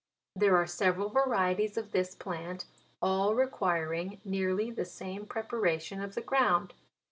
There are several varieties of this plant all requiring nearly the same preparation of the ground.